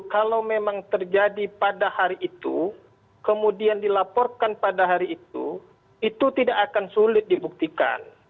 kalau memang terjadi pada hari itu kemudian dilaporkan pada hari itu itu tidak akan sulit dibuktikan